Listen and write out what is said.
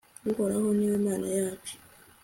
uhoraho ni we mana yacu